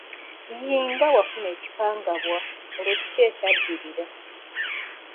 Yii nga wafuna ekikangabwa, kati olwo kiki ekyadirira?